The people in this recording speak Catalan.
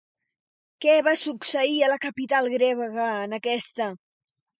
Què va succeir a la capital grega en aquesta?